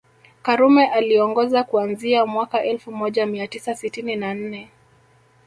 Karume aliongoza kuanzia mwaka elfu moja mia tisa sitini na nne